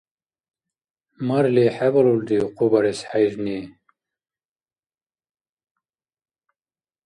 Марли, хӀебалулрив хъу барес хӀейрни?